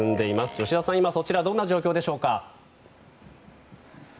吉田さん、今そちらどんな状況でしょうか？